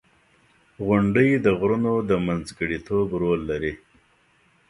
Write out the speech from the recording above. • غونډۍ د غرونو د منځګړیتوب رول لري.